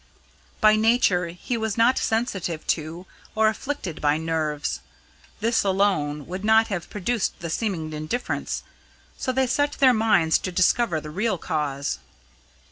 By nature he was not sensitive to, or afflicted by, nerves. This alone would not have produced the seeming indifference, so they set their minds to discover the real cause.